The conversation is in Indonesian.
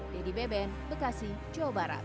dedy beben bekasi jawa barat